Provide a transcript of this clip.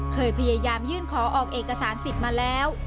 เคยพยายามยื่นขอออกเอกสารสิทธิ์มาแล้ว